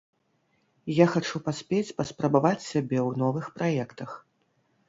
Я хачу паспець паспрабаваць сябе ў новых праектах.